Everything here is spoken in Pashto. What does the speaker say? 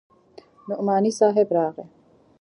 نعماني صاحب راغى.